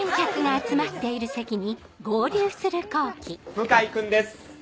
向井君です。